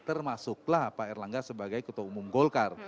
termasuklah pak erlangga sebagai ketua umum golkar